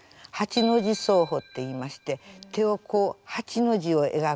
８の字奏法っていいまして手をこう８の字をえがくように。